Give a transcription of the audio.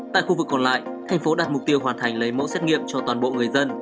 tại khu vực còn lại thành phố đặt mục tiêu hoàn thành lấy mẫu xét nghiệm cho toàn bộ người dân